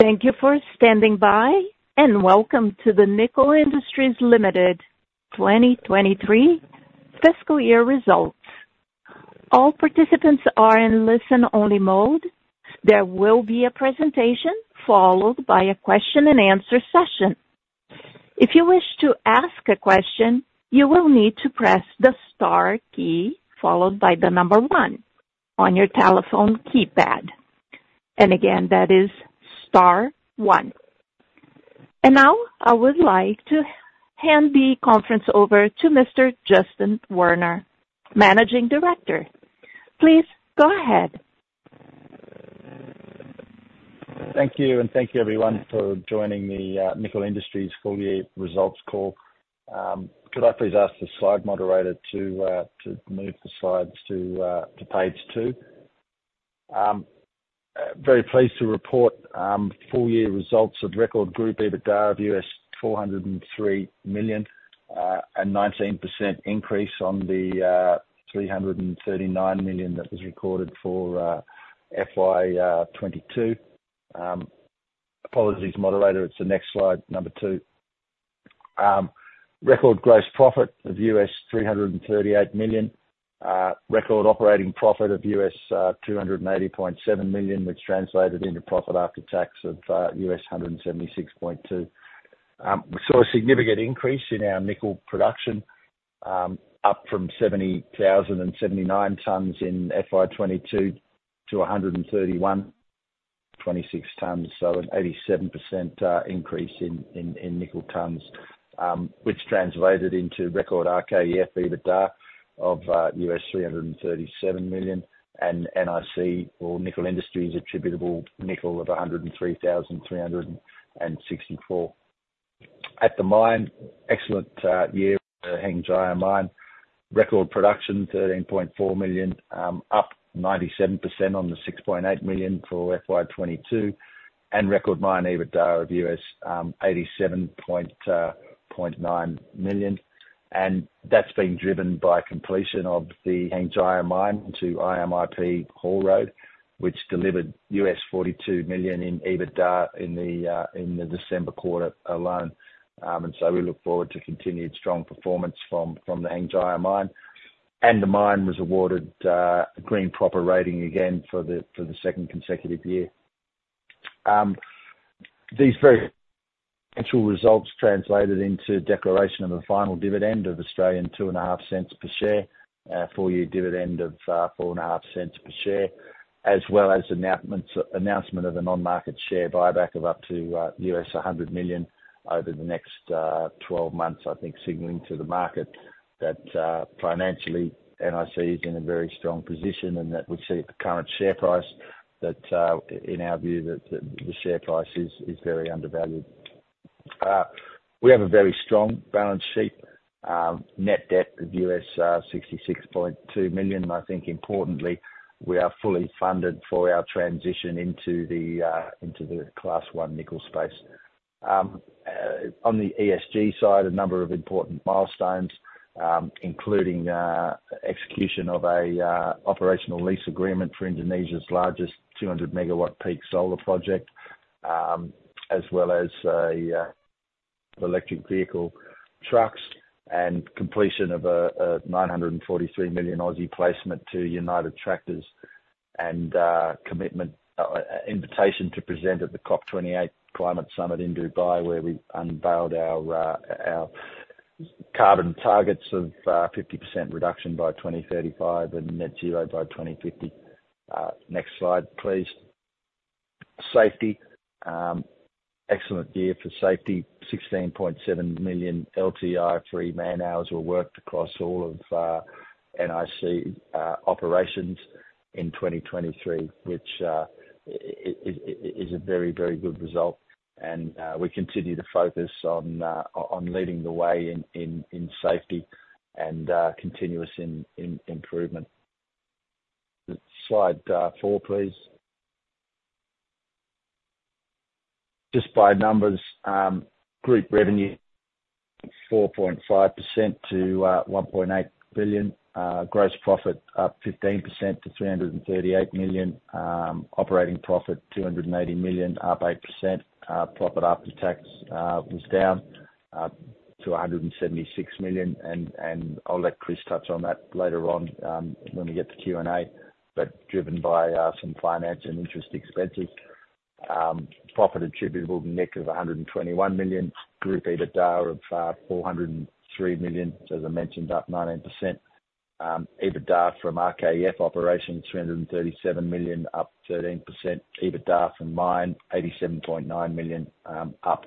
Thank you for standing by, and welcome to the Nickel Industries Limited 2023 Fiscal Year Results. All participants are in listen-only mode. There will be a presentation followed by a question-and-answer session. If you wish to ask a question, you will need to press the star key followed by the number 1 on your telephone keypad. And again, that is star 1. And now I would like to hand the conference over to Mr. Justin Werner, Managing Director. Please go ahead. Thank you, and thank you, everyone, for joining the Nickel Industries' Full-Year Results Call. Could I please ask the slide moderator to move the slides to page 2? Very pleased to report full-year results of record group EBITDA of $403,000,000, a 19% increase on the $339,000,000 that was recorded for FY22. Apologies, moderator, it's the next slide, number 2. Record gross profit of $338,000,000. Record operating profit of $280.7 million, which translated into profit after tax of $176.2 million. We saw a significant increase in our nickel production, up from 70,079 tonnes in FY22 to 131.26 tonnes, so an 87% increase in nickel tonnes, which translated into record RKEF EBITDA of $337,000,000, and NIC, or Nickel Industries Attributable Nickel, of 103,364. At the mine, excellent year, Hengjaya Mine. Record production, 13.4 million, up 97% on the 6.8 million for FY22, and record mine EBITDA of $87.9 million. That's been driven by completion of the Hengjaya Mine to IMIP Haul Road, which delivered $42,000,000 in EBITDA in the December quarter alone. So we look forward to continued strong performance from the Hengjaya Mine. The mine was awarded a Green PROPER Rating again for the second consecutive year. These very potential results translated into declaration of a final dividend of 0.025 per share, full-year dividend of 0.045 per share, as well as announcement of a non-market share buyback of up to $100,000,000 over the next 12 months, I think signaling to the market that financially NIC is in a very strong position and that we see at the current share price that, in our view, the share price is very undervalued. We have a very strong balance sheet. Net debt of $66.2 million. I think, importantly, we are fully funded for our transition into the class I nickel space. On the ESG side, a number of important milestones, including execution of an operational lease agreement for Indonesia's largest 200-megawatt peak solar project, as well as electric vehicle trucks, and completion of a 943,000,000 placement to United Tractors, and invitation to present at the COP28 Climate Summit in Dubai, where we unveiled our carbon targets of 50% reduction by 2035 and net zero by 2050. Next slide, please. Safety. Excellent year for safety. 16.7 million LTI-free man-hours were worked across all of NIC operations in 2023, which is a very, very good result. And we continue to focus on leading the way in safety and continuous improvement. Slide 4, please. Just by numbers, group revenue 4.5% to $1.8 billion. Gross profit up 15% to $338,000,000. Operating profit $280,000,000, up 8%. Profit after tax was down to $176,000,000. I'll let Chris touch on that later on when we get to Q&A, but driven by some finance and interest expenses. Profit attributable net of $121,000,000. Group EBITDA of $403,000,000, as I mentioned, up 19%. EBITDA from RKEF operations, $337,000,000, up 13%. EBITDA from mine, $87.9 million, up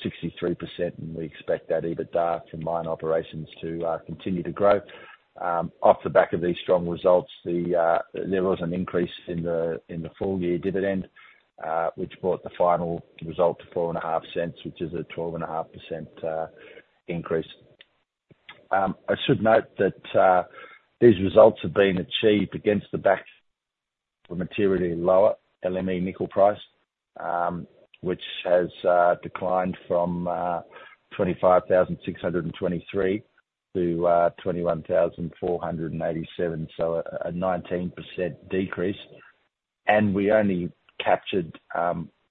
63%. And we expect that EBITDA from mine operations to continue to grow. Off the back of these strong results, there was an increase in the full-year dividend, which brought the final result to $0.045, which is a 12.5% increase. I should note that these results have been achieved against the backdrop of a materially lower LME nickel price, which has declined from $25,623 to $21,487, so a 19% decrease. We only captured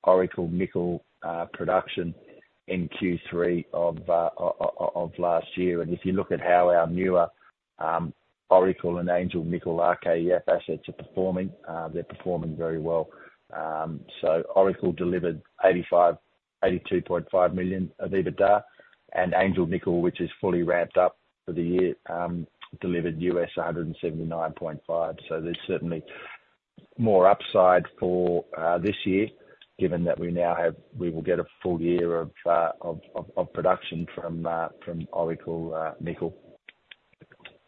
Oracle Nickel production in Q3 of last year. If you look at how our newer Oracle Nickel and Angel Nickel RKEF assets are performing, they're performing very well. Oracle delivered $82.5 million of EBITDA, and Angel Nickel, which is fully ramped up for the year, delivered $179.5 million. There's certainly more upside for this year, given that we will get a full year of production from Oracle Nickel.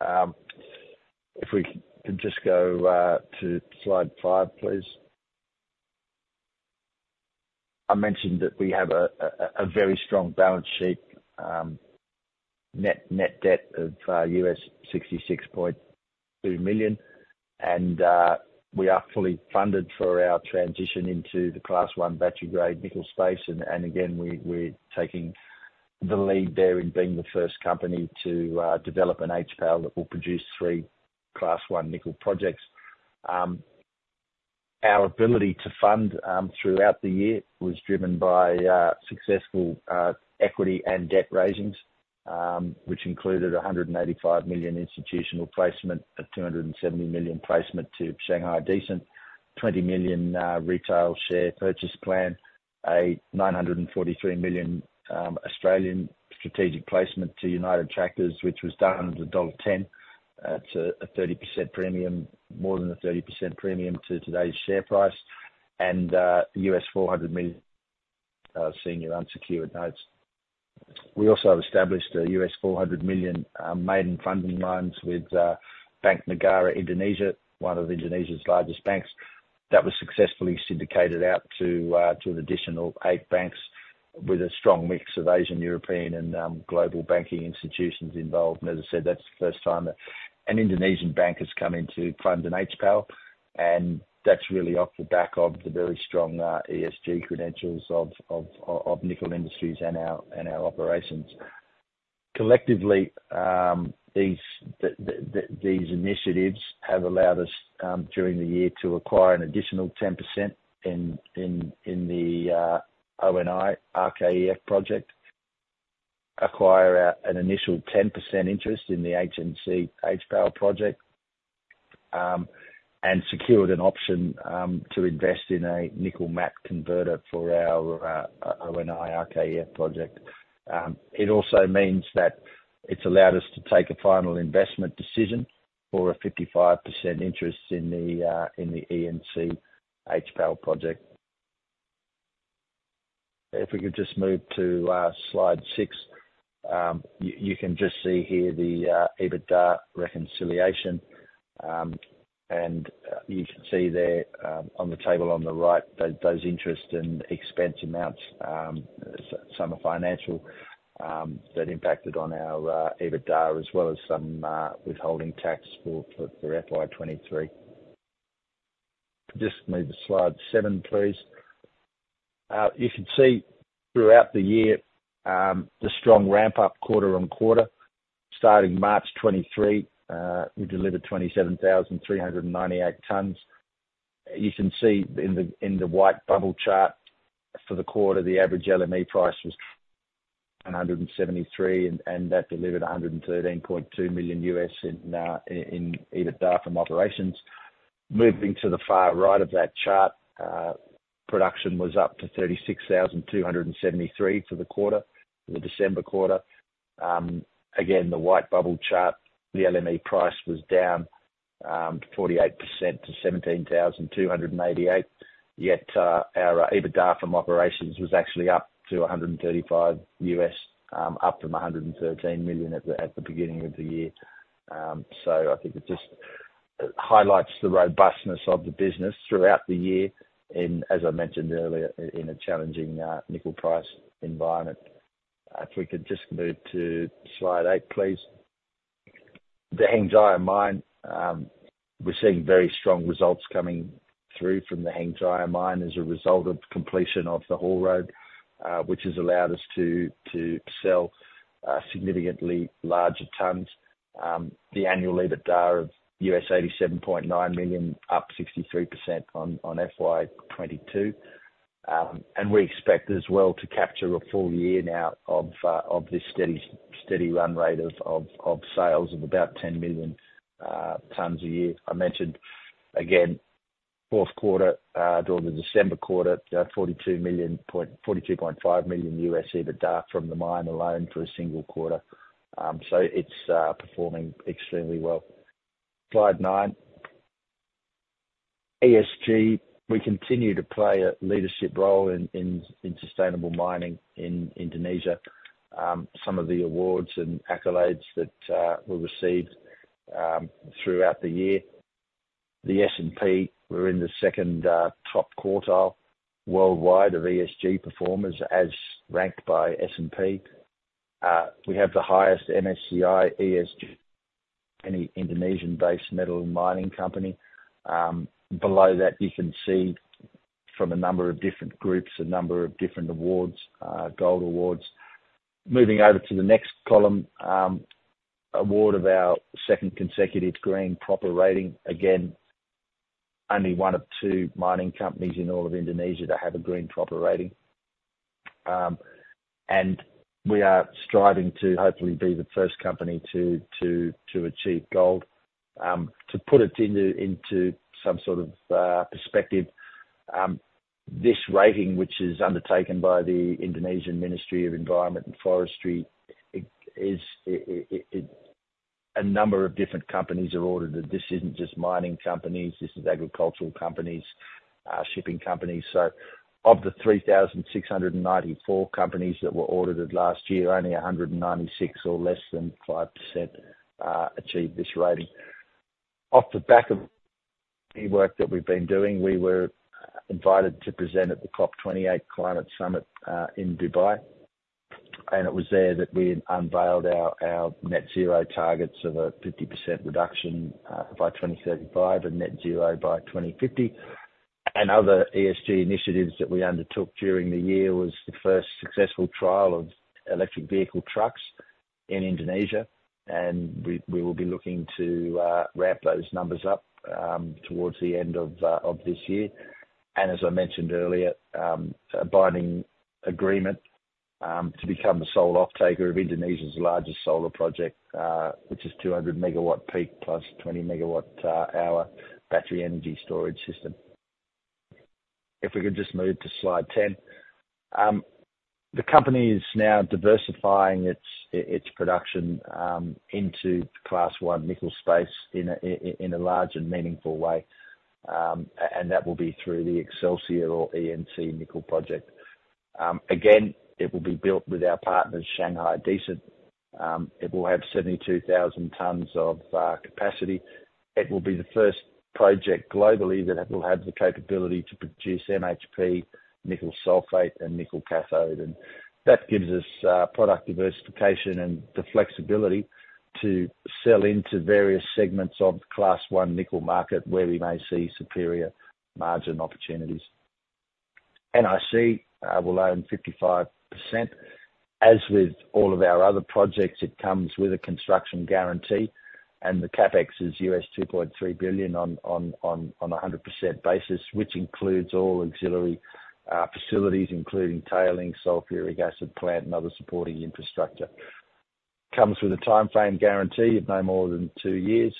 If we can just go to slide 5, please. I mentioned that we have a very strong balance sheet. Net debt of $66.2 million. We are fully funded for our transition into the class I battery-grade nickel space. Again, we're taking the lead there in being the first company to develop an HPAL that will produce three class I nickel projects. Our ability to fund throughout the year was driven by successful equity and debt raisings, which included $185,000,000 institutional placement, a $270,000,000placement to Shanghai Decent, $20,000,000 retail share purchase plan, a $943,000,000 Australian strategic placement to United Tractors, which was done at $10. That's a 30% premium, more than a 30% premium to today's share price, and $400,000,000 senior unsecured notes. We also have established $400,000,000 maiden funding lines with Bank Negara Indonesia, one of Indonesia's largest banks. That was successfully syndicated out to an additional eight banks with a strong mix of Asian, European, and global banking institutions involved. And as I said, that's the first time that an Indonesian bank has come in to fund an HPAL. And that's really off the back of the very strong ESG credentials of Nickel Industries and our operations. Collectively, these initiatives have allowed us during the year to acquire an additional 10% in the ONI RKEF project, acquire an initial 10% interest in the HNC HPAL project, and secured an option to invest in a nickel matte converter for our ONI RKEF project. It also means that it's allowed us to take a final investment decision for a 55% interest in the ENC HPAL project. If we could just move to slide 6, you can just see here the EBITDA reconciliation. You can see there on the table on the right, those interest and expense amounts, some are financial, that impacted on our EBITDA, as well as some withholding tax for FY23. Just move to slide 7, please. You can see throughout the year, the strong ramp-up quarter-on-quarter. Starting March 2023, we delivered 27,398 tonnes. You can see in the white bubble chart for the quarter, the average LME price was $173, and that delivered $113.2 million in EBITDA from operations. Moving to the far right of that chart, production was up to 36,273 for the December quarter. Again, the white bubble chart, the LME price was down 48% to $17,288. Yet our EBITDA from operations was actually up to $135, up from $113,000,000 at the beginning of the year. So I think it just highlights the robustness of the business throughout the year, as I mentioned earlier, in a challenging nickel price environment. If we could just move to slide 8, please. The Hengjaya Mine, we're seeing very strong results coming through from the Hengjaya Mine as a result of completion of the Haul Road, which has allowed us to sell significantly larger tonnes. The annual EBITDA of $87.9 million, up 63% on FY22. We expect as well to capture a full year now of this steady run rate of sales of about 10,000,000 tons a year. I mentioned, again, fourth quarter or the December quarter, $42.5 million EBITDA from the mine alone for a single quarter. It's performing extremely well. Slide 9. ESG, we continue to play a leadership role in sustainable mining in Indonesia. Some of the awards and accolades that were received throughout the year. The S&P, we're in the second top quartile worldwide of ESG performers as ranked by S&P. We have the highest MSCI ESG, any Indonesian-based metal mining company. Below that, you can see from a number of different groups, a number of different awards, gold awards. Moving over to the next column, award of our second consecutive Green PROPER Rating. Again, only one of two mining companies in all of Indonesia that have a Green PROPER Rating. We are striving to hopefully be the first company to achieve gold. To put it into some sort of perspective, this rating, which is undertaken by the Indonesian Ministry of Environment and Forestry, a number of different companies are audited. This isn't just mining companies. This is agricultural companies, shipping companies. So of the 3,694 companies that were audited last year, only 196 or less than 5% achieved this rating. Off the back of the work that we've been doing, we were invited to present at the COP28 Climate Summit in Dubai. It was there that we unveiled our net zero targets of a 50% reduction by 2035 and net zero by 2050. And other ESG initiatives that we undertook during the year was the first successful trial of electric vehicle trucks in Indonesia. And we will be looking to ramp those numbers up towards the end of this year. And as I mentioned earlier, a binding agreement to become the sole offtaker of Indonesia's largest solar project, which is 200 megawatt peak plus 20 megawatt-hour battery energy storage system. If we could just move to slide 10. The company is now diversifying its production into class I nickel space in a large and meaningful way. And that will be through the Excelsior or ENC Nickel Project. Again, it will be built with our partners, Shanghai Decent. It will have 72,000 tonnes of capacity. It will be the first project globally that will have the capability to produce MHP nickel sulfate and nickel cathode. That gives us product diversification and the flexibility to sell into various segments of the class I nickel market where we may see superior margin opportunities. NIC will own 55%. As with all of our other projects, it comes with a construction guarantee. The CapEx is $2.3 billion on a 100% basis, which includes all auxiliary facilities, including tailings, sulfuric acid plant, and other supporting infrastructure. It comes with a timeframe guarantee of no more than two years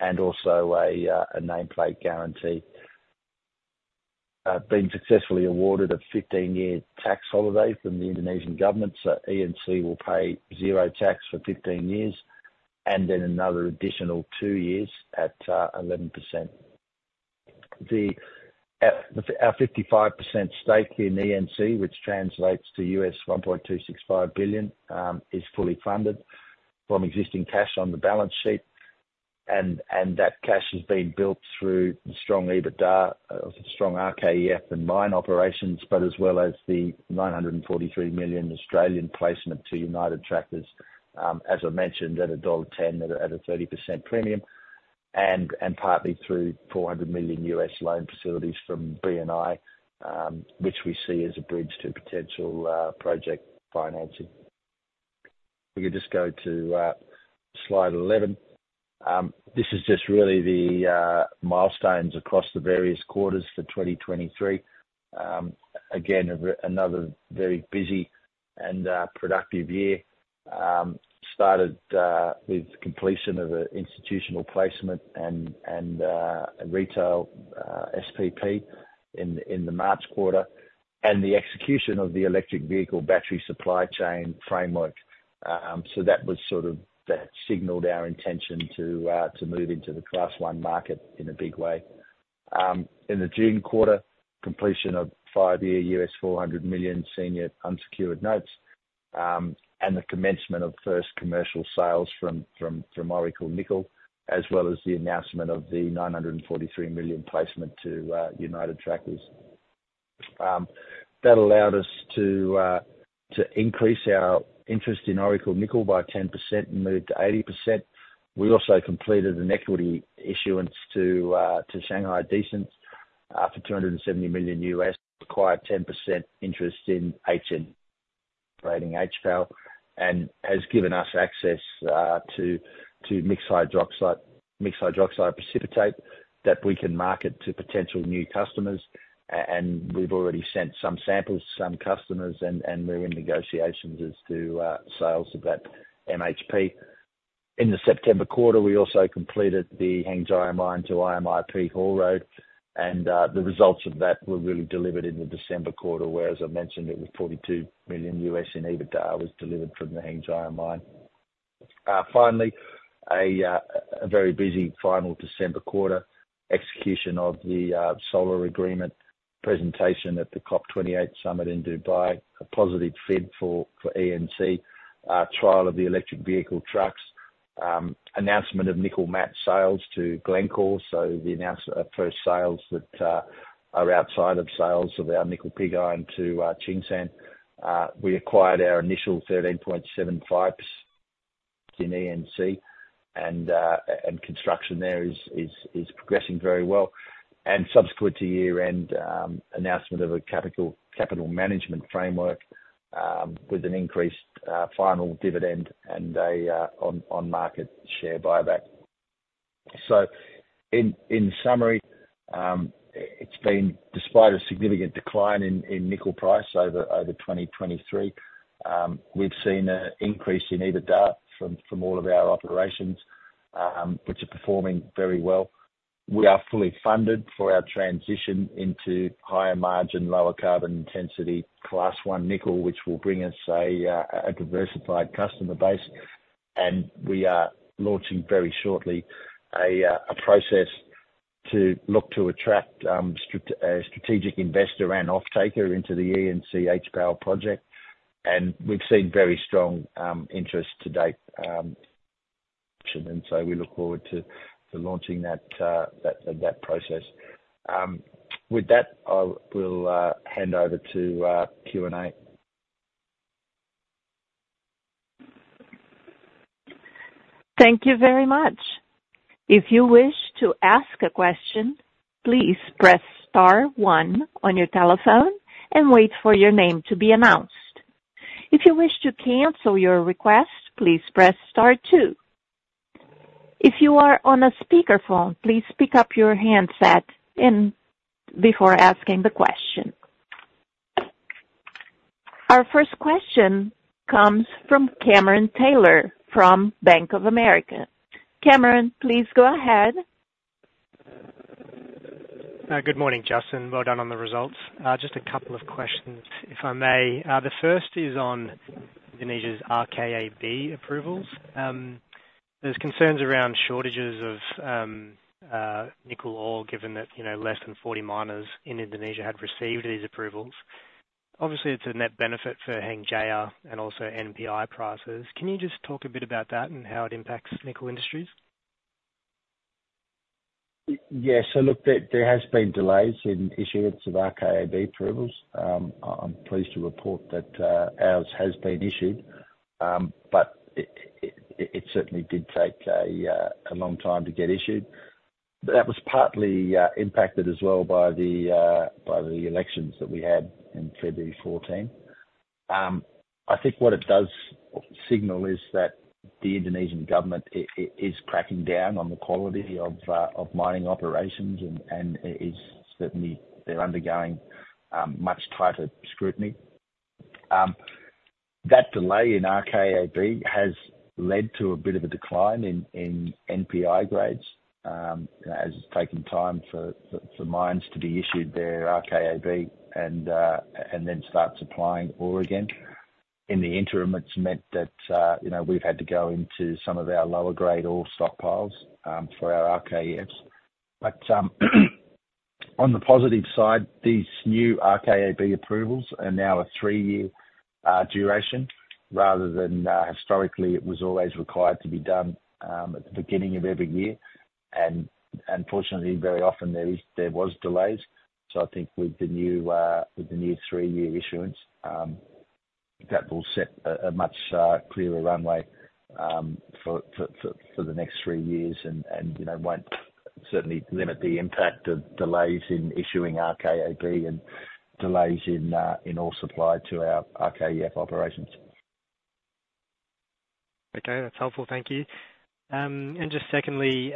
and also a nameplate guarantee. It has been successfully awarded a 15-year tax holiday from the Indonesian government. So ENC will pay zero tax for 15 years and then another additional two years at 11%. Our 55% stake in ENC, which translates to $1.265 billion, is fully funded from existing cash on the balance sheet. And that cash has been built through the strong EBITDA of the strong RKEF and mine operations, but as well as the $943,000,000 Australian placement to United Tractors, as I mentioned, at $1.10 at a 30% premium, and partly through $400,000,000 loan facilities from BNI, which we see as a bridge to potential project financing. If we could just go to slide 11. This is just really the milestones across the various quarters for 2023. Again, another very busy and productive year. Started with completion of an institutional placement and retail SPP in the March quarter and the execution of the electric vehicle battery supply chain framework. So that was sort of that signaled our intention to move into the class I market in a big way. In the June quarter, completion of five-year $400,000,000 senior unsecured notes and the commencement of first commercial sales from Oracle Nickel, as well as the announcement of the $943,000,000 placement to United Tractors. That allowed us to increase our interest in Oracle Nickel by 10% and moved to 80%. We also completed an equity issuance to Shanghai Decent for $270,000,000, acquired 10% interest in HN, a leading HPAL, and has given us access to mixed hydroxide precipitate that we can market to potential new customers. We've already sent some samples to some customers, and we're in negotiations as to sales of that MHP. In the September quarter, we also completed the Hengjaya Mine to IMIP Haul Road. The results of that were really delivered in the December quarter, where, as I mentioned, it was $42,000,000 in EBITDA delivered from the Hengjaya Mine. Finally, a very busy final December quarter, execution of the solar agreement, presentation at the COP28 Summit in Dubai, a positive FID for ENC, trial of the electric vehicle trucks, announcement of nickel matte sales to Glencore. So the first sales that are outside of sales of our nickel pig iron to Tsingshan. We acquired our initial 13.75% in ENC, and construction there is progressing very well. And subsequent to year-end, announcement of a capital management framework with an increased final dividend and an on-market share buyback. So in summary, it's been, despite a significant decline in nickel price over 2023, we've seen an increase in EBITDA from all of our operations, which are performing very well. We are fully funded for our transition into higher margin, lower carbon intensity Class I nickel, which will bring us a diversified customer base. We are launching very shortly a process to look to attract a strategic investor and offtaker into the ENC HPAL project. We've seen very strong interest to date. So we look forward to launching that process. With that, I will hand over to Q&A. Thank you very much. If you wish to ask a question, please press star one on your telephone and wait for your name to be announced. If you wish to cancel your request, please press star two. If you are on a speakerphone, please pick up your handset before asking the question. Our first question comes from Cameron Taylor from Bank of America. Cameron, please go ahead. Good morning, Justin. Well done on the results. Just a couple of questions, if I may. The first is on Indonesia's RKAB approvals. There's concerns around shortages of nickel ore, given that less than 40 miners in Indonesia had received these approvals. Obviously, it's a net benefit for Hengjaya and also NPI prices. Can you just talk a bit about that and how it impacts Nickel Industries? Yes. So look, there has been delays in issuance of RKAB approvals. I'm pleased to report that ours has been issued, but it certainly did take a long time to get issued. That was partly impacted as well by the elections that we had in February 2014. I think what it does signal is that the Indonesian government is cracking down on the quality of mining operations, and certainly, they're undergoing much tighter scrutiny. That delay in RKAB has led to a bit of a decline in NPI grades. As it's taken time for mines to be issued their RKAB and then start supplying ore again, in the interim, it's meant that we've had to go into some of our lower-grade ore stockpiles for our RKEFs. On the positive side, these new RKAB approvals are now a three-year duration rather than historically, it was always required to be done at the beginning of every year. Unfortunately, very often, there was delays. I think with the new three-year issuance, that will set a much clearer runway for the next three years and won't certainly limit the impact of delays in issuing RKAB and delays in ore supply to our RKEF operations. Okay. That's helpful. Thank you. And just secondly,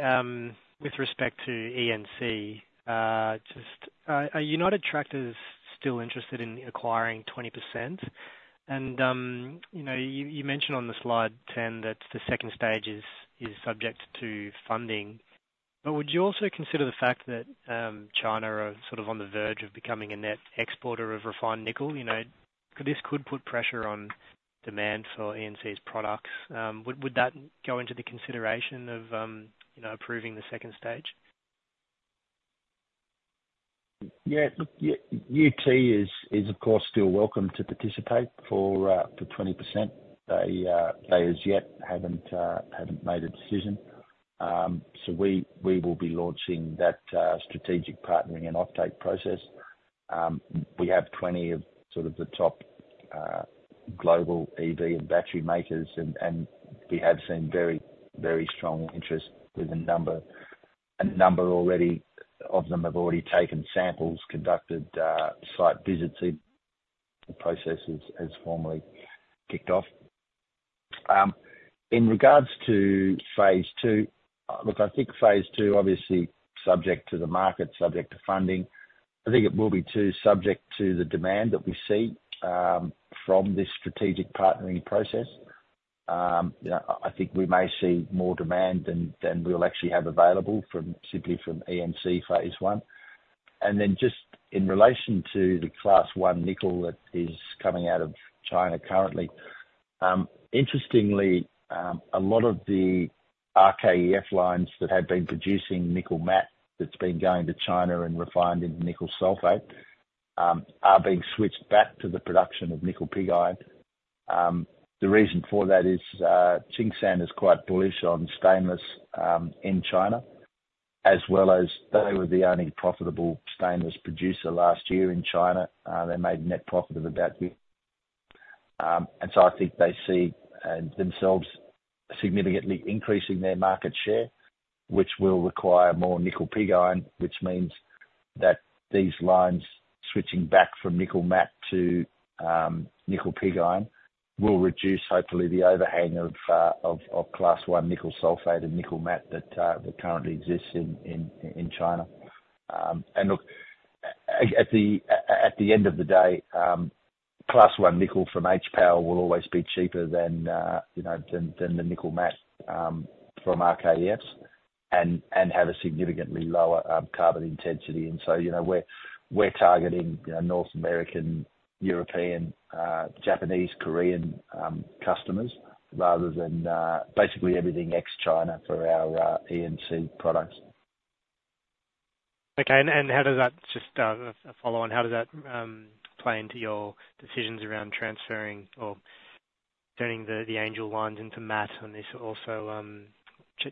with respect to ENC, are United Tractors still interested in acquiring 20%? And you mentioned on the slide 10 that the second stage is subject to funding. But would you also consider the fact that China are sort of on the verge of becoming a net exporter of refined nickel? This could put pressure on demand for ENC's products. Would that go into the consideration of approving the second stage? Yes. UT is, of course, still welcome to participate for 20%. They as yet haven't made a decision. So we will be launching that strategic partnering and offtake process. We have 20 of sort of the top global EV and battery makers, and we have seen very, very strong interest with a number already of them have already taken samples, conducted site visits. The process has formally kicked off. In regards to phase II, look, I think phase II, obviously, subject to the market, subject to funding. I think it will be too subject to the demand that we see from this strategic partnering process. I think we may see more demand than we'll actually have available simply from ENC phase I. And then just in relation to the class I nickel that is coming out of China currently, interestingly, a lot of the RKEF lines that have been producing nickel matte that's been going to China and refined into nickel sulfate are being switched back to the production of nickel pig iron. The reason for that is Tsingshan is quite bullish on stainless in China, as well as they were the only profitable stainless producer last year in China. They made net profit of about year. And so I think they see themselves significantly increasing their market share, which will require more nickel pig iron, which means that these lines switching back from nickel matte to nickel pig iron will reduce, hopefully, the overhang of class I nickel sulfate and nickel matte that currently exists in China. And look, at the end of the day, class I nickel from HPAL will always be cheaper than the nickel matte from RKEFs and have a significantly lower carbon intensity. And so we're targeting North American, European, Japanese, Korean customers rather than basically everything ex-China for our ENC products. Okay. And how does that just follow on? How does that play into your decisions around transferring or turning the Angel ones into matte and this also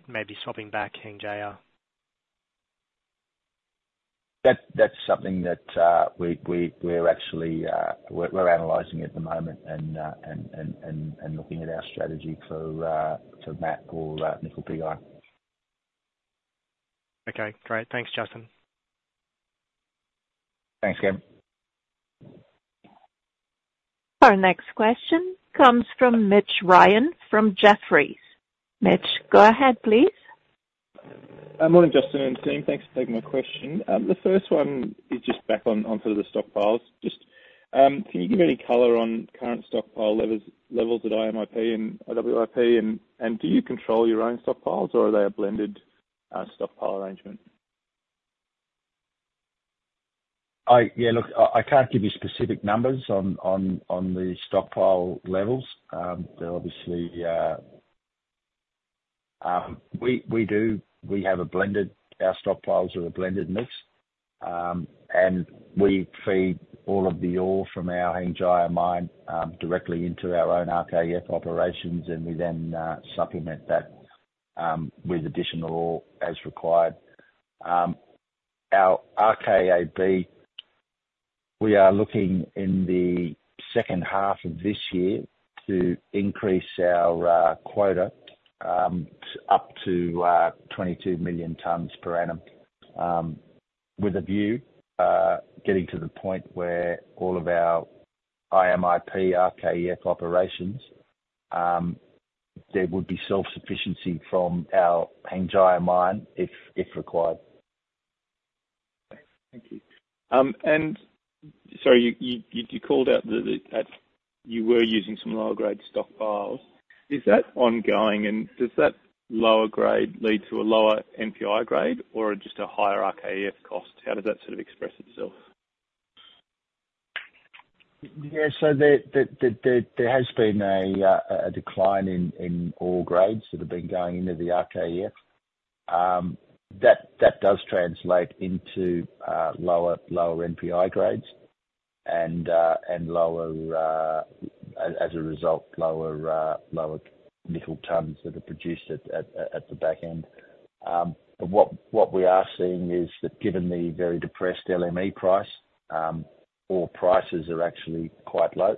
maybe swapping back Hengjaya? That's something that we're actually analyzing at the moment and looking at our strategy for matte or nickel pig iron. Okay. Great. Thanks, Justin. Thanks, Cam. Our next question comes from Mitch Ryan from Jefferies. Mitch, go ahead, please. Morning, Justin and thanks for taking my question. The first one is just back on sort of the stockpiles. Just can you give any color on current stockpile levels at IMIP and IWIP? And do you control your own stockpiles, or are they a blended stockpile arrangement? Yeah. Look, I can't give you specific numbers on the stockpile levels. They're obviously we have a blended, our stockpiles are a blended mix. And we feed all of the ore from our Hengjaya mine directly into our own RKEF operations, and we then supplement that with additional ore as required. Our RKAB, we are looking in the second half of this year to increase our quota up to 22,000,000 tonnes per annum with a view getting to the point where all of our IMIP RKEF operations, there would be self-sufficiency from our Hengjaya mine if required. Thank you. And sorry, you called out that you were using some lower-grade stockpiles. Is that ongoing? And does that lower grade lead to a lower NPI grade or just a higher RKEF cost? How does that sort of express itself? Yeah. So there has been a decline in ore grades that have been going into the RKEF. That does translate into lower NPI grades and, as a result, lower nickel tonnes that are produced at the back end. But what we are seeing is that given the very depressed LME price, ore prices are actually quite low,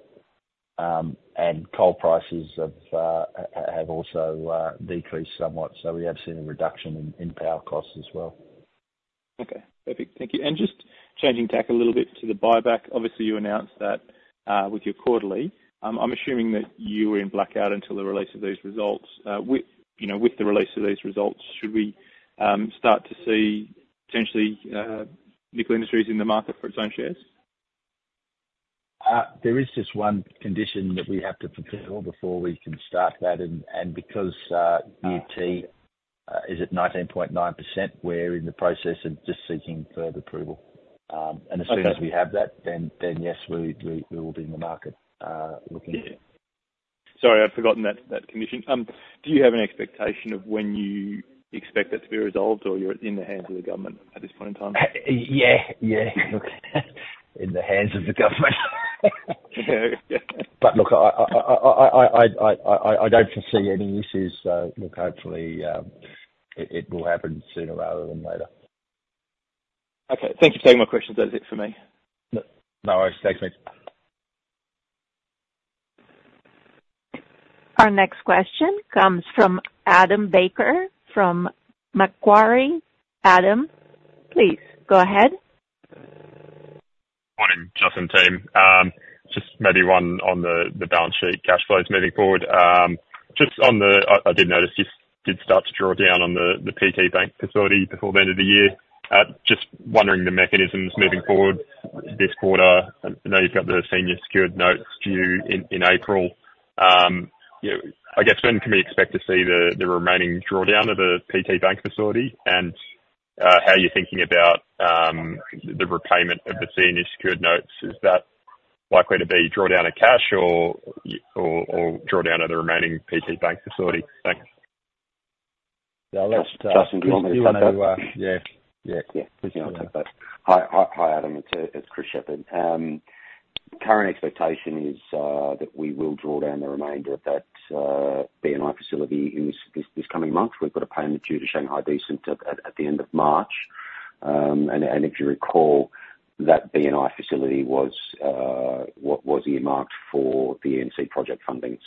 and coal prices have also decreased somewhat. So we have seen a reduction in power costs as well. Okay. Perfect. Thank you. And just changing tack a little bit to the buyback, obviously, you announced that with your quarterly. I'm assuming that you were in blackout until the release of these results. With the release of these results, should we start to see potentially Nickel Industries in the market for its own shares? There is just one condition that we have to fulfill before we can start that. And because UT is at 19.9%, we're in the process of just seeking further approval. And as soon as we have that, then yes, we will be in the market looking. Sorry, I've forgotten that condition. Do you have an expectation of when you expect that to be resolved, or you're in the hands of the government at this point in time? Yeah. Yeah. Look, in the hands of the government. But look, I don't foresee any issues. So look, hopefully, it will happen sooner rather than later. Okay. Thank you for taking my questions. That's it for me. No, thanks, Mitch. Our next question comes from Adam Baker from Macquarie. Adam, please go ahead. Morning, Justin and team. Just maybe one on the balance sheet cash flows moving forward. Just on that, I did notice you did start to draw down on the PT BNI facility before the end of the year. Just wondering the mechanisms moving forward this quarter. I know you've got the senior secured notes due in April. I guess when can we expect to see the remaining drawdown of the PT bank facility and how you're thinking about the repayment of the senior secured notes? Is that likely to be drawdown of cash or drawdown of the remaining PT bank facility? Thanks. Justin, do you want me to take that? Yeah. Yeah. Please go ahead and take that. Hi, Adam. It's Chris Shepherd. Current expectation is that we will draw down the remainder of that BNI facility this coming month. We've got a payment due to Shanghai Decent at the end of March. If you recall, that BNI facility was earmarked for the ENC project funding.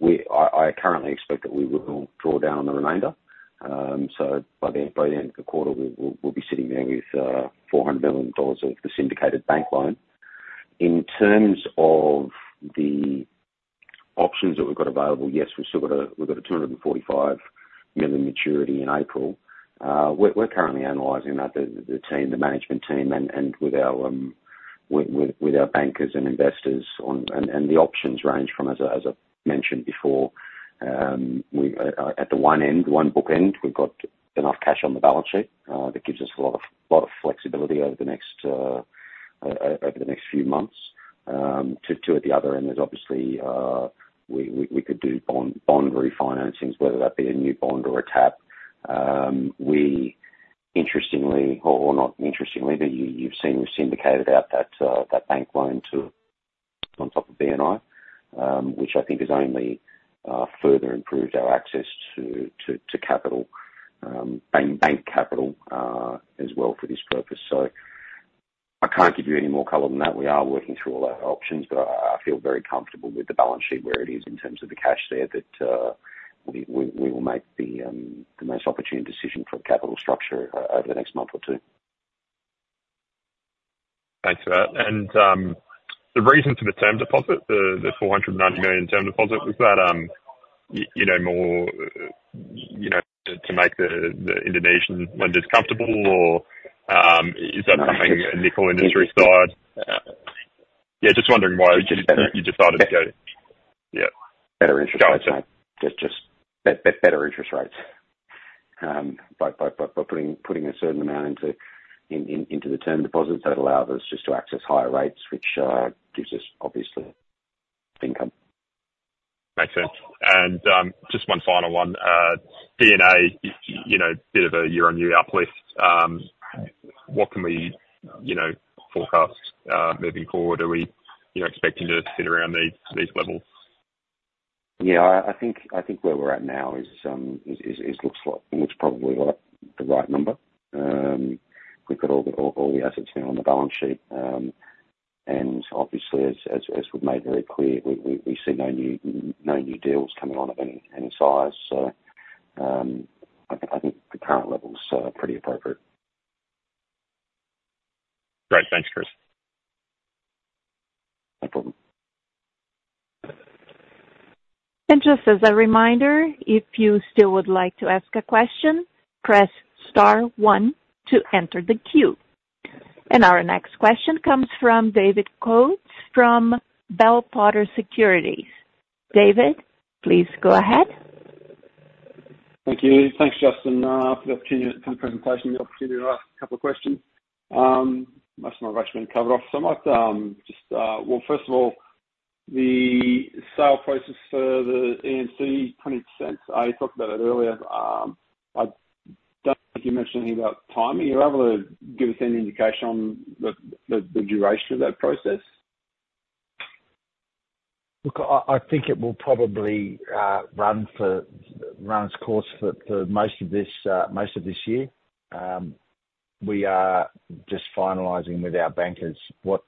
I currently expect that we will draw down on the remainder. By the end of the quarter, we'll be sitting there with $400,000,000 of the syndicated bank loan. In terms of the options that we've got available, yes, we've got a $245,000,000 maturity in April. We're currently analyzing that, the team, the management team, and with our bankers and investors. The options range from, as I mentioned before, at the one end, the one bookend, we've got enough cash on the balance sheet. That gives us a lot of flexibility over the next few months. To the other end, there's obviously we could do bond refinancings, whether that be a new bond or a tap. Interestingly or not interestingly, you've seen we've syndicated out that bank loan on top of BNI, which I think has only further improved our access to bank capital as well for this purpose. So I can't give you any more color than that. We are working through all our options, but I feel very comfortable with the balance sheet where it is in terms of the cash there that we will make the most opportune decision for the capital structure over the next month or two. Thanks for that. The reason for the term deposit, the $490,000,000 term deposit, was that more to make the Indonesian lenders comfortable, or is that something a Nickel Industries side? Yeah. Just wondering why you decided to go yeah. Better interest rates. Better interest rates. By putting a certain amount into the term deposits, that allows us just to access higher rates, which gives us obviously income. Makes sense. Just one final one. BNI, bit of a year-on-year uplift. What can we forecast moving forward? Are we expecting to sit around these levels? Yeah. I think where we're at now looks probably like the right number. We've got all the assets now on the balance sheet. Obviously, as we've made very clear, we see no new deals coming on of any size. So I think the current levels are pretty appropriate. Great. Thanks, Chris. No problem. Just as a reminder, if you still would like to ask a question, press star one to enter the queue. Our next question comes from David Coates from Bell Potter Securities. David, please go ahead. Thank you. Thanks, Justin, for the presentation, the opportunity to ask a couple of questions. Most of my questions have been covered off. So I might just well, first of all, the sale process for the ENC, 20%, I talked about that earlier. I don't think you mentioned anything about timing. Are you able to give us any indication on the duration of that process? Look, I think it will probably run its course for most of this year. We are just finalizing with our bankers what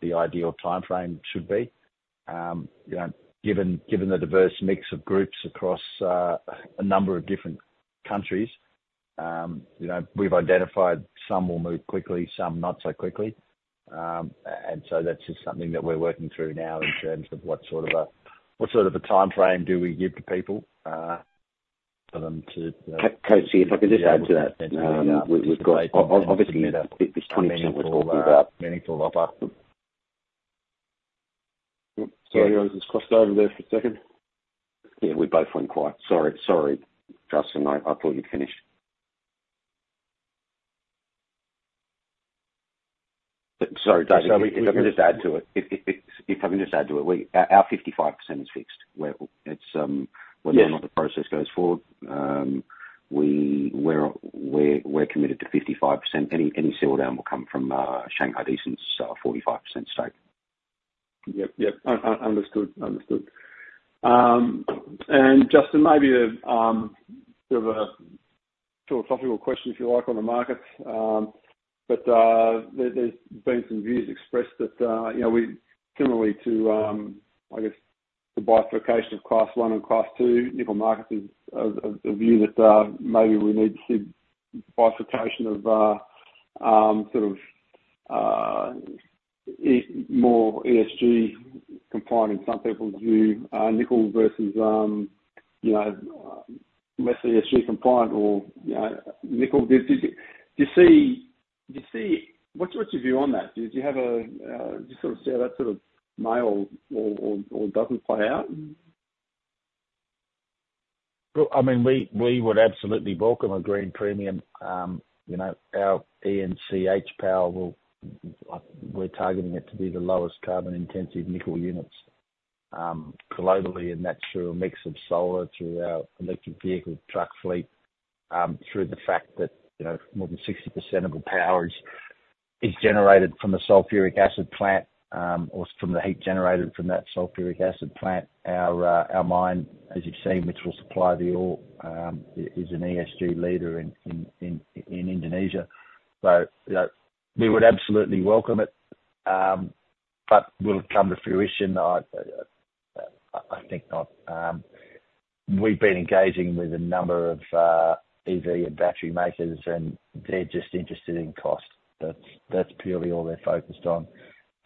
the ideal timeframe should be given the diverse mix of groups across a number of different countries. We've identified some will move quickly, some not so quickly. And so that's just something that we're working through now in terms of what sort of a timeframe do we give to people for them to. Coates, if I could just add to that. We've got, obviously, this 20% we're talking about. Meaningful offer. Sorry, I was just crossed over there for a second. Yeah. We both went quiet. Sorry. Sorry, Justin. I thought you'd finished. Sorry, David. So if I can just add to it, our 55% is fixed. Whether or not the process goes forward, we're committed to 55%. Any sale down will come from Shanghai Decent's 45% stake. Yep. Yep. Understood. Understood. And Justin, maybe a sort of a philosophical question if you like on the markets. But there's been some views expressed that similarly to, I guess, the bifurcation of Class I and Class II nickel markets, is a view that maybe we need to see bifurcation of sort of more ESG compliant, in some people's view, nickel versus less ESG compliant or nickel. Do you see? What's your view on that? Do you have a—you sort of see how that sort of melds or doesn't play out? I mean, we would absolutely welcome a green premium. Our ENC HPAL, we're targeting it to be the lowest carbon-intensive nickel units globally. And that's through a mix of solar, through our electric vehicle truck fleet, through the fact that more than 60% of the power is generated from the sulfuric acid plant or from the heat generated from that sulfuric acid plant. Our mine, as you've seen, which will supply the ore, is an ESG leader in Indonesia. So we would absolutely welcome it, but will it come to fruition? I think not. We've been engaging with a number of EV and battery makers, and they're just interested in cost. That's purely all they're focused on.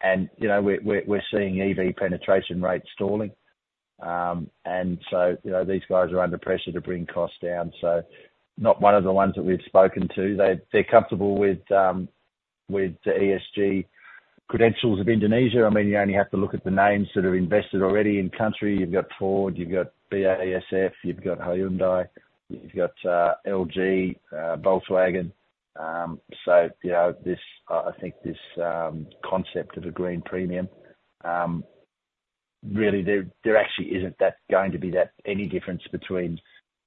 And we're seeing EV penetration rate stalling. And so these guys are under pressure to bring costs down. So not one of the ones that we've spoken to. They're comfortable with the ESG credentials of Indonesia. I mean, you only have to look at the names that have invested already in country. You've got Ford. You've got BASF. You've got Hyundai. You've got LG, Volkswagen. So I think this concept of a green premium, really, there actually isn't going to be any difference between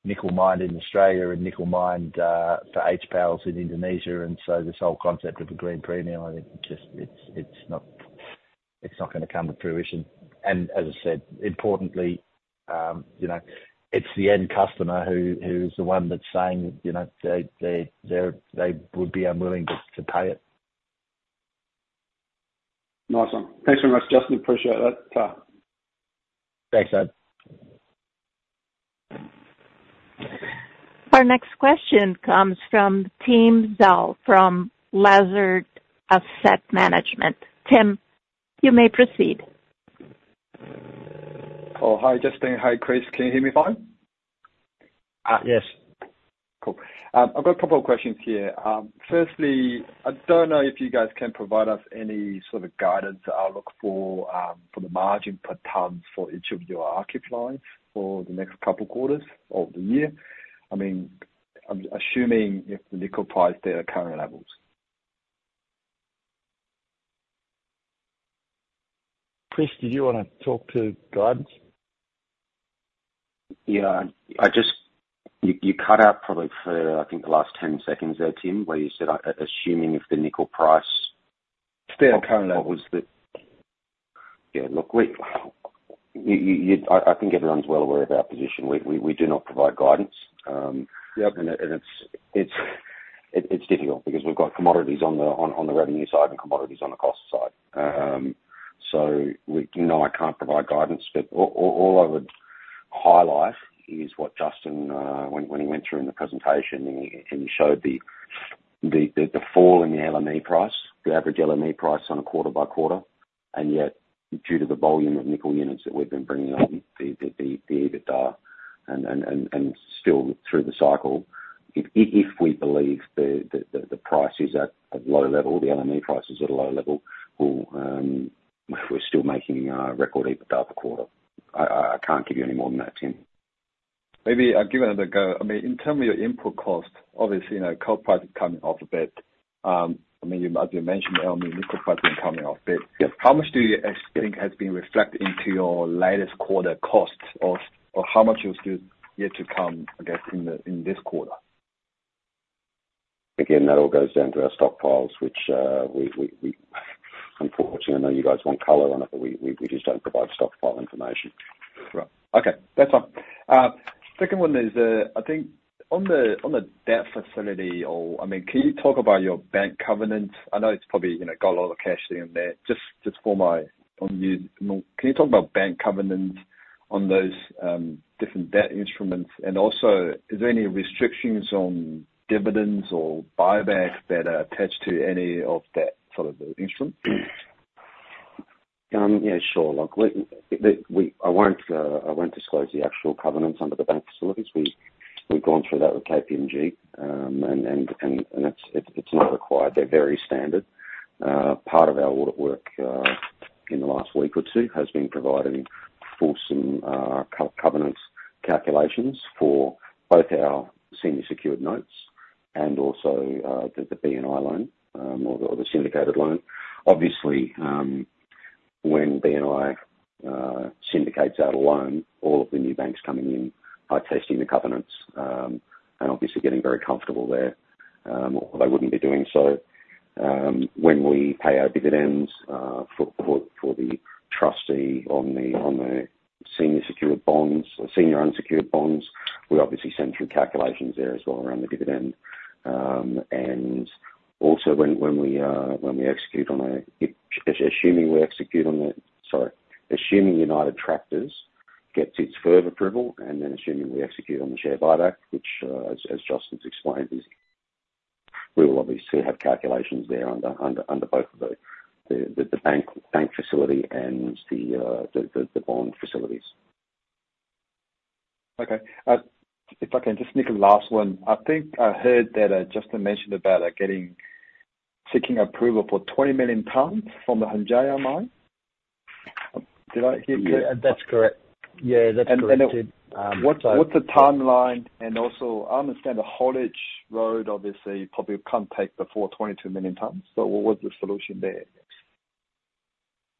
nickel mined in Australia and nickel mined for HPALs in Indonesia. And so this whole concept of a green premium, I think, it's not going to come to fruition. And as I said, importantly, it's the end customer who is the one that's saying they would be unwilling to pay it. Nice. Thanks very much, Justin. Appreciate that. Thanks David Our next question comes from Tim Zhao from Lazard Asset Management. Tim, you may proceed. Oh, hi, Justin. Hi, Chris. Can you hear me fine? Yes. Cool. I've got a couple of questions here. Firstly, I don't know if you guys can provide us any sort of guidance that I'll look for for the margin per ton for each of your RKEF lines for the next couple of quarters of the year. I mean, assuming if the nickel price stays at current levels. Chris, did you want to talk to guidance? Yeah. You cut out probably for, I think, the last 10 seconds there, Tim, where you said assuming if the nickel price. Standard current levels. Yeah. Look, I think everyone's well aware of our position. We do not provide guidance. It's difficult because we've got commodities on the revenue side and commodities on the cost side. So no, I can't provide guidance. But all I would highlight is what Justin, when he went through in the presentation and he showed the fall in the LME price, the average LME price on a quarter by quarter. And yet, due to the volume of nickel units that we've been bringing on, the EBITDA, and still through the cycle, if we believe the price is at a low level, the LME price is at a low level, we're still making a record EBITDA per quarter. I can't give you any more than that, Tim. Maybe I'll give another go. I mean, in terms of your input cost, obviously, coal price is coming off a bit. I mean, as you mentioned, LME nickel price is coming off a bit. How much do you think has been reflected into your latest quarter cost, or how much is still yet to come, I guess, in this quarter? Again, that all goes down to our stockpiles, which, unfortunately, I know you guys want color on it, but we just don't provide stockpile information. Right. Okay. That's fine. Second one is, I think, on the debt facility or I mean, can you talk about your bank covenants? I know it's probably got a lot of cash in there. Just for my own use, can you talk about bank covenants on those different debt instruments? And also, is there any restrictions on dividends or buyback that are attached to any of that sort of instrument? Yeah. Sure. Look, I won't disclose the actual covenants under the bank facilities. We've gone through that with KPMG, and it's not required. They're very standard. Part of our audit work in the last week or two has been providing fulsome covenants calculations for both our senior secured notes and also the BNI loan or the syndicated loan. Obviously, when BNI syndicates out a loan, all of the new banks coming in are testing the covenants and obviously getting very comfortable there, or they wouldn't be doing so. When we pay our dividends for the trustee on the senior unsecured bonds, we obviously send through calculations there as well around the dividend. And also, when we execute, assuming United Tractors gets its further approval, and then assuming we execute on the share buyback, which, as Justin's explained, is we will obviously have calculations there under both of those, the bank facility and the bond facilities. Okay. If I can, just nickel last one. I think I heard that Justin mentioned about seeking approval for 20,000,000 tonnes from the Hengjaya Mine. Did I hear correctly? Yeah. That's correct. Yeah. That's correct, Tim. Then what's the timeline? Also, I understand the Haulage road, obviously, probably can't take before 22,000,000 tonnes. So what was the solution there?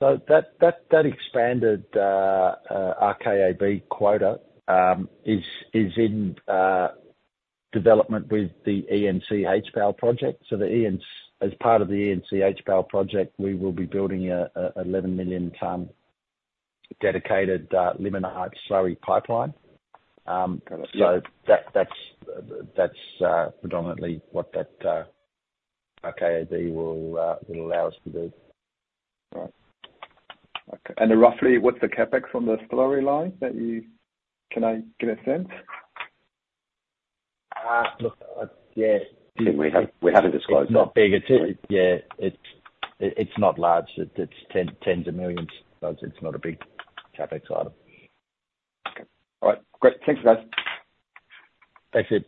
That expanded RKAB quota is in development with the ENC HPAL project. As part of the ENC HPAL project, we will be building an 11,000,000-tonne dedicated limonite slurry pipeline. That's predominantly what that RKAB will allow us to do. Right. Okay. And roughly, what's the CapEx on the slurry line so I can get a sense? Look, yeah. We haven't disclosed that. It's not big either. Yeah. It's not large. It's tens of millions. It's not a big CapEx item. Okay. All right. Great. Thanks, guys. Thanks, Tim.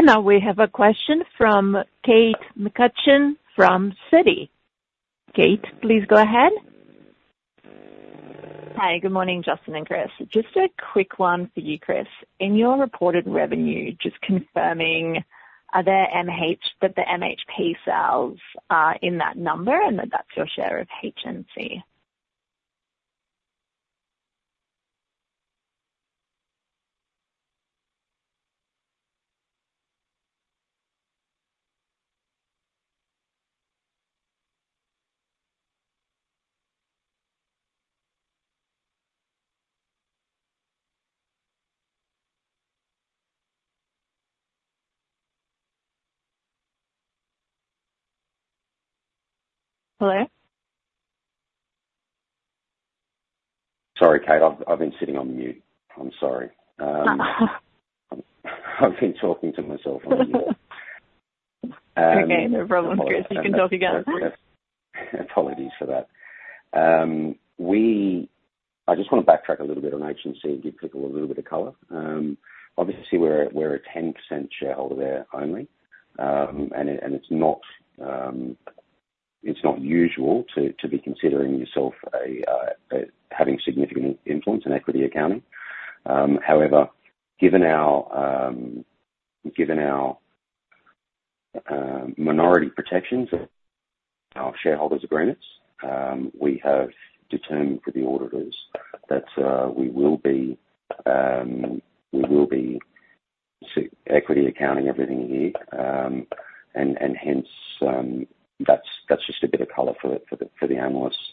Now we have a question from Kate McCutcheon from Citi. Kate, please go ahead. Hi. Good morning, Justin and Chris. Just a quick one for you, Chris. In your reported revenue, just confirming, are there MH that the MHP sales are in that number and that that's your share of HNC? Hello? Sorry, Kate. I've been sitting on mute. I'm sorry. I've been talking to myself on mute. Okay. No problem, Chris. You can talk again. Apologies for that. I just want to backtrack a little bit on HNC and give people a little bit of color. Obviously, we're a 10% shareholder there only, and it's not usual to be considering yourself having significant influence in equity accounting. However, given our minority protections, our shareholders' agreements, we have determined for the auditors that we will be equity accounting everything here. And hence, that's just a bit of color for the analysts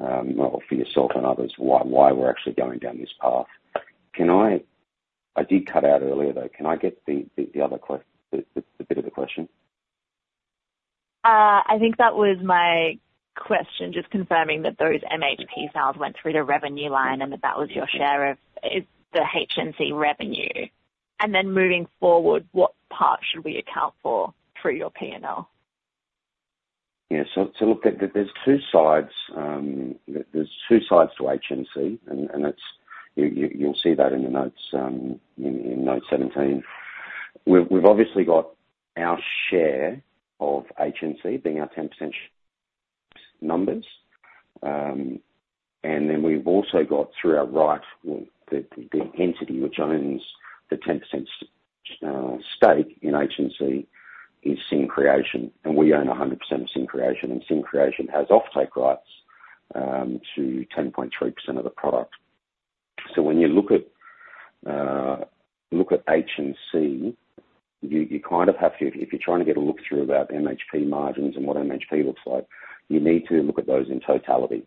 or for yourself and others, why we're actually going down this path. I did cut out earlier, though. Can I get the other bit of the question? I think that was my question, just confirming that those MHP sales went through the revenue line and that that was your share of the HNC revenue. And then moving forward, what part should we account for through your P&L? Yeah. So look, there's 2 sides. There's 2 sides to HNC, and you'll see that in the notes, in note 17. We've obviously got our share of HNC being our 10% numbers. And then we've also got, through our right, the entity which owns the 10% stake in HNC is Sync Creation. And we own 100% of Sync Creation. And Sync Creation has offtake rights to 10.3% of the product. So when you look at HNC, you kind of have to if you're trying to get a look through about MHP margins and what MHP looks like, you need to look at those in totality.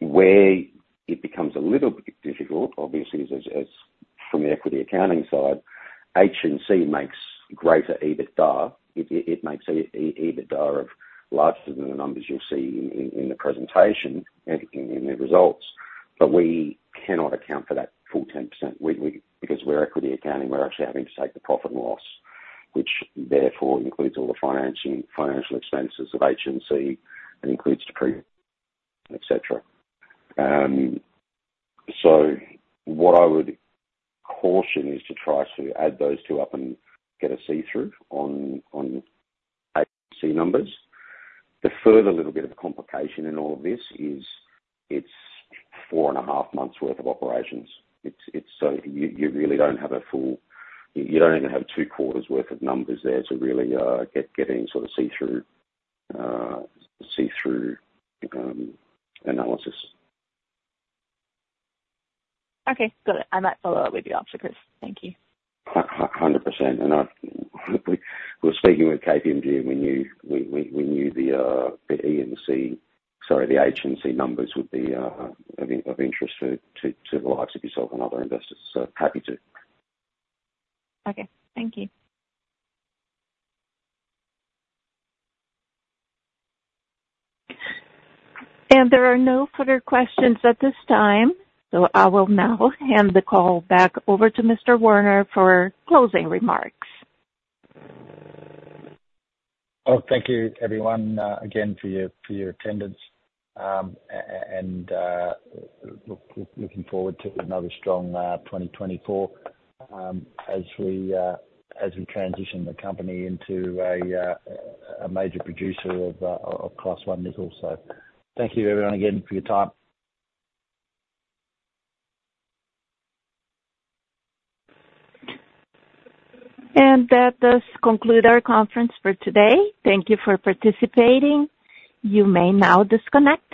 Where it becomes a little difficult, obviously, is from the equity accounting side. HNC makes greater EBITDA. It makes EBITDA larger than the numbers you'll see in the presentation, in the results. But we cannot account for that full 10% because we're equity accounting. We're actually having to take the profit and loss, which therefore includes all the financial expenses of HNC and includes depreciation, etc. So what I would caution is to try to add those two up and get a see-through on HNC numbers. The further little bit of complication in all of this is it's 4.5 months' worth of operations. So you really don't have a full. You don't even have 2 quarters' worth of numbers there to really get any sort of see-through analysis. Okay. Got it. I might follow up with you after, Chris. Thank you. 100%. We were speaking with KPMG, and we knew the HNC numbers would be of interest to the likes of yourself and other investors. Happy to. Okay. Thank you. There are no further questions at this time. I will now hand the call back over to Mr. Werner for closing remarks. Oh, thank you, everyone, again, for your attendance. Looking forward to another strong 2024 as we transition the company into a major producer of Class I nickel. Thank you, everyone, again, for your time. That does conclude our conference for today. Thank you for participating. You may now disconnect.